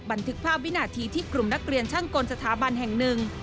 บันทึกภาพวินาทีที่กลุ่มนักเรียนช่างกลสถาบันแห่งหนึ่ง